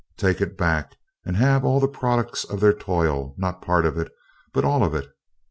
Take it back, and have all the products of their toil, not part of it, but all of it.